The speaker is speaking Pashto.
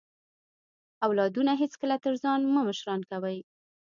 اولادونه هیڅکله تر ځان مه مشران کوئ